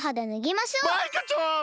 マイカちゅわん！